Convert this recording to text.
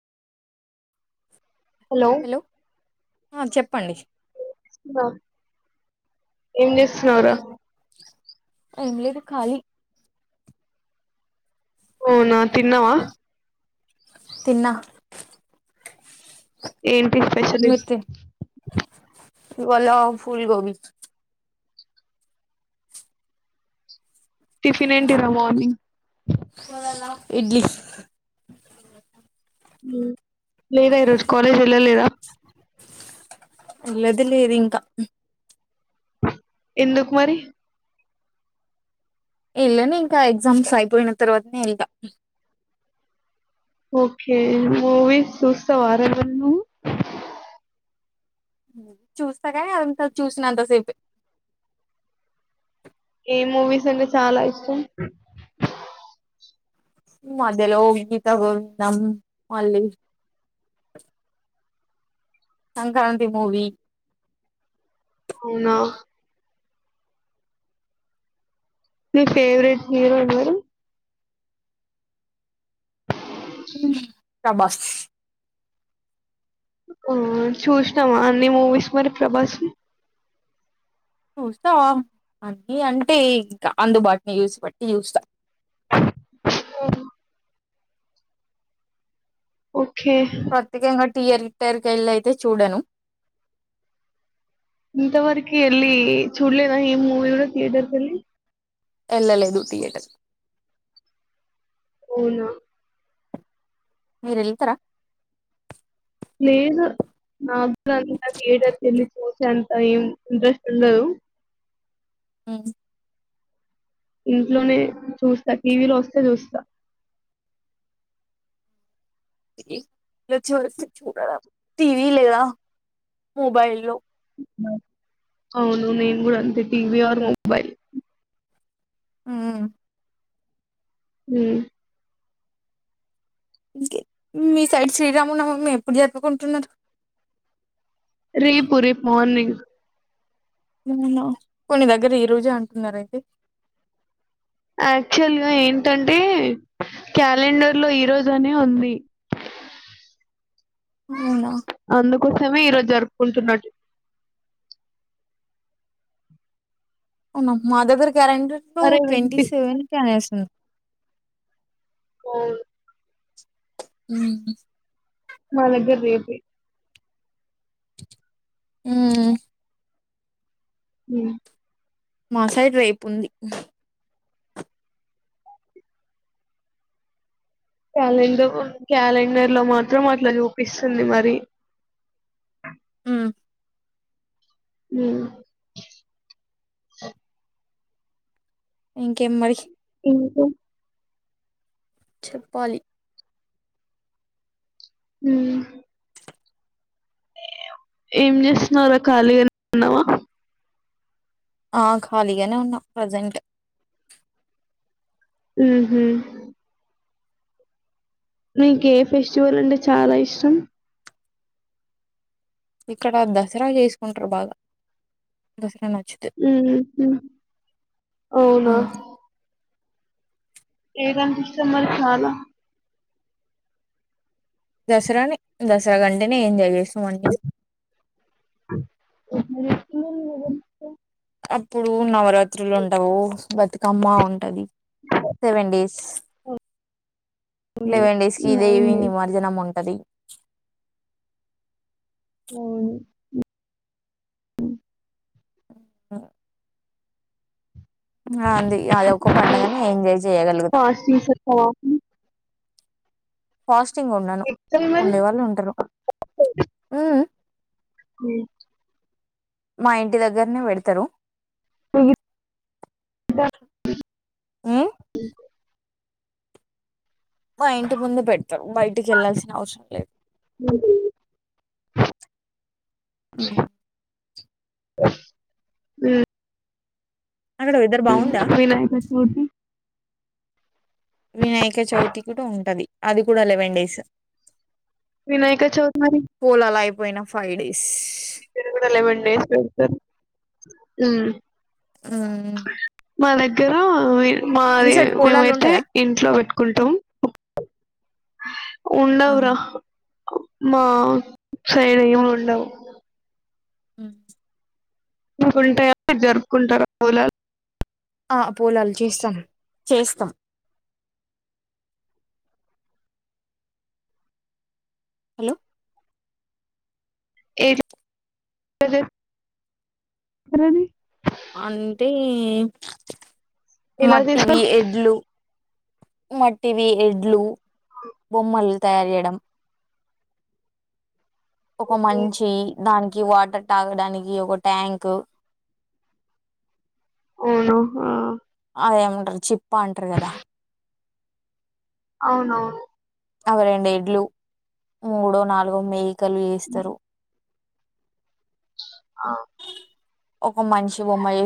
Hello ఆ చెప్పండి న ఏం చేస్తున్నారు ఎం లేదు కాలి ఓనా తిన్నావా థినా ఏంటి స్పెషల్ వ ఫల్బబ టిఫిన్ ఏంటిరా మార్నింగ్ ఇడ్లీ ఓ లేదా ఈరోజు కాలేజ్ వెళ్ళలేదా లేదు లేదు ఇంకా ఎందుకు మరి వెళ్ళనే ఇంకా ఎగ్జామ్స్ అయిపోయిన తర్వాతనే వెళ్దాం ఓకే మూవీస్ చూస్తా ఆర ను చూస్తా కా అ చూసినంత సేపు ఏ మూవీస్ అంటే చాలా ఇష్టం మద్యల హ తగ నమ్ అళ్ళ సంక్రాంతి మూవి అవునా మీీ ఫేవరెట్ హీరో ఎవరు కా బస్ ఆ చూసామా అన్ని మూవీస్ మరి ప్రభాస్ చూస్తాం అన్నీ అంటే ఇంకా అందుబాటుని చూసిపట్టి చూస్తా ఆ ఓ ప్రతతిక ఎటి ఇయర్ రిటైర్ క వెళ అయితే చూడను ఇంత వరకు ఎళ చూడలేనా ఈ మూవ కూడా థియేటర్స్ అల్ ఎల్ లే దూ తేట అవునా మీరెల్తార లేదు నాకు కూడాథియేటర్ వెళ్ళి చూసేంత ఏం ఇంట్రెస్ట్ ఉండదు. హ్మ్ ఇంట్లోనే చూస్తా టీవీలో వస్తే చూస్తా టీవీలో వచ్చే వరకు చూడరా టీవీ లేదా మొబైల్ లో అవును నేను కూడా అంతే టీవి ఆర్ మొబైల్ ఉమ్ హ్మ్ మీ సైడ్ శ్రీరామునవమి ఎప్పుడు జరుపుకుంటున్నరు రేపు రేపు మార్నింగ్ అవునా కొన్ని దగ్గర ఈ రోజే అంటున్నారయితే యాక్చువల్ గా ఏంటంటే క్యాలెండర్ లో ఈ రోజనే ఉంది అవునా అందుకోసమే ఈరోజు జరుపుకుంటున్నట్టు అవునా మా దగ్గరా కాలెండర్ లో అరే ట్వంటీ వినిపి సెవెన్ కె అనేసి ఉంది. అవును హుహ్ మా దగ్గర రేపే హ్మ్ హ్మ్ మా సైడ్ రేపు ఉంది క్యాలెండర్ క్యాలెండర్ లో మాత్రం అట్ల చూపిస్తుంది మరి హ్మ్ హ్మ్ ఇంకేం మరి ఇంక చెప్పాలి హ్మ్ ఏం చేస్తున్నావ్ రా ఖాళీగనే ఉన్నవ ఆ ఖాళీగనే ఉన్నా ప్రజెంట్ ఉహ్మ నీకు ఎ ఫెస్టివల్ అంటే చాలా ఇష్టం ఇక్కడ దసరా చేసుకుంటరు బాగ దసరా న మ్మ్ హ్మ్ అవునా మ్మ్ ఏదంటే ఇష్టం మరి చాలా దసరానే దసరా కంటేనే ఎంజాయ్ చేస్ ఎట్ల జే పిల్లొల్లు ఈడ ఏడిస్తే అప్పుడు నవరా త్రులు ఉండవు బతుకమ్మ ఉంటది సెవెన్ డేస్, లెవెన్ డేస్ కి నైన్ దేవి డేస్ నిమర్జనం ఉంటది. అవును మ్మ్ హ్మ్ అ ఆ ఇంగ అంది అది ఒక్క పండుగనే ఎంజాయ్ చేయగలుగుతాం ఫాస్టింగ్స్ ఉంటావా? ఫాస్ట్ చింగ్ ఉండను ఎట్లా మరి ఉండే వాళ్ళు ఉంటరు మ్ హ్మ్ ఏం మా ఇంటి దగ్గరనే వెడుతరు [unintelligible] మా ఇంటి ముందు పెడ్తరు బయటికి వెళ్లాల్సిన అవసరం లేదు మ్ హ్ అ అక్కడ వెదర్ బాగుందా వినాయకా చవితి వినాయక చవితి కూడా ఉంటది అది కూడా లెవెన్ డేస్ వినాయక చౌధరి పోయినా ఫైవ్ డేస్ చేసి పెడ్తారు ఉమ్ ఉమ్ మా దగ్గర వెయ్ మీ మాది సైడ్ పోలాలు మేమైతే ఉంటాయా ఇంట్లో పెట్ కుంతం ఆహా ఉండవరా ఆ మా సైడ్ ఏమి ఉండవు ఉ అకుంటాయా జరుపుకుంటారు పలాలు ఆ పోూలాలు చేస్తాను చేస్తాం హలో ఏది ది [unintelligible] అంటే ఎలా మట్టివి చేస్తారు ఎడ్లు మటివి ఎడ్లు బొమ్మల్ తయారు చేయడం ఒక మంచి దానికి కి వాటర్ తాగడానికి ఒక ట్యాంక్ అవును ఆ అదేమంటారు చిప్పాంటారు కదా అవునవును అవి రెండు ఎడ్లు మూడో నాలుగో మె్య కలు వేస్తారు ఆ ఒక మంచి బొమ్మ చేసి